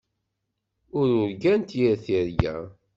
Ur urgant yir tirga.